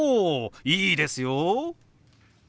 いいですよ！